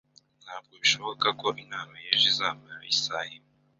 Ntabwo bishoboka ko inama y'ejo izamara isaha imwe.